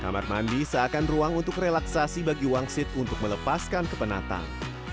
kamar mandi seakan ruang untuk relaksasi bagi wangsit untuk melepaskan kepenatan